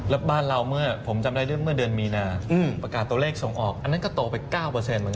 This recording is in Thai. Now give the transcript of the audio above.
แล้วบ้านเราเมื่อผมจำได้เรื่องเมื่อเดือนมีนาประกาศตัวเลขส่งออกอันนั้นก็โตไป๙เหมือนกัน